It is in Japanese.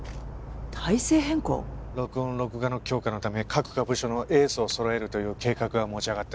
録音・録画の強化のため各課部署のエースをそろえるという計画が持ち上がってるんだ。